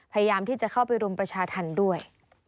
พยายามที่จะเข้าไปรุมประชาธรรมด้วย